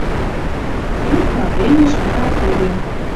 Трӱк правленьӹш пыра эдем.